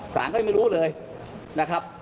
ก็ยังไม่รู้เลยนะครับ